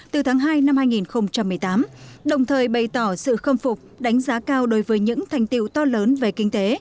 từ tháng hai năm hai nghìn một mươi tám đồng thời bày tỏ sự khâm phục đánh giá cao đối với những thành tiệu to lớn về kinh tế